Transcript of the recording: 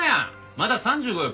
まだ３５よ